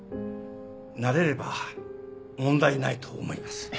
慣れれば問題ないと思います。